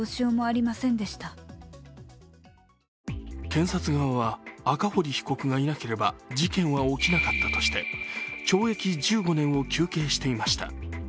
検察側は、赤堀被告がいなければ事件は起きなかったとして懲役１５年を求刑していました。